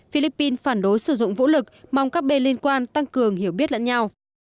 philippines phản đối sử dụng vũ lực mong các bên liên quan tăng cường hiểu biết lẫn nhau